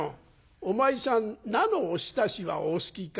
「お前さん菜のおひたしはお好きか？」。